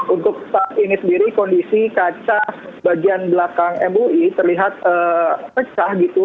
untuk saat ini sendiri kondisi kaca bagian belakang mui terlihat pecah gitu